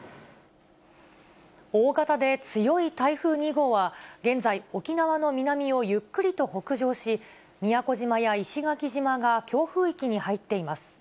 大型で強い台風２号は現在、沖縄の南をゆっくりと北上し、宮古島や石垣島が強風域に入っています。